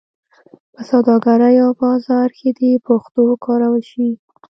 په سوداګرۍ او بازار کې دې پښتو وکارول شي.